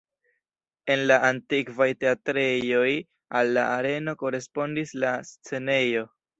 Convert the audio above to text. En la antikvaj teatrejoj al la areno korespondis la scenejo.